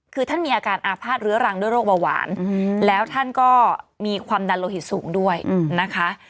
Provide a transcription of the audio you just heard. คือท่านมีอาการอาภาษณเรื้อรังด้วยโรคเบาหวานแล้วท่านก็มีความดันโลหิตสูงด้วยนะคะ